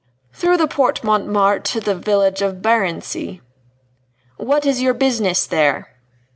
"Through the Porte Montmartre to the village of Barency." "What is your business there?"